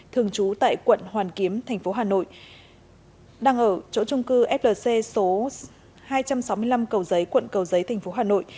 thường trú tại quận hoàn kiếm tp hà nội đang ở chỗ trung cư flc số hai trăm sáu mươi năm cầu giấy quận cầu giấy tp hà nội